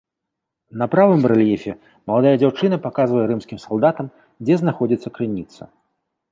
На правым барэльефе маладая дзяўчына паказвае рымскім салдатам, дзе знаходзіцца крыніца.